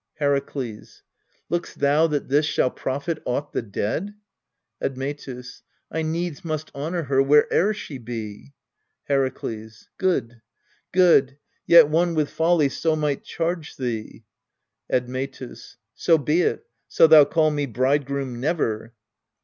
Herakles. Lookst thou that this shall profit aught the dead ? Admetus. I needs must honour her where'er she be. Herakles. Good good yet one with folly so might charge thee. Admetus. So be it, so thou call me bridegroom never.